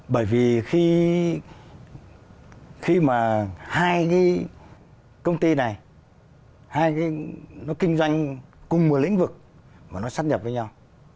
bởi vì khi mà hai cái công ty này nó kinh doanh cùng một lĩnh vực mà nó sát nhập với nhau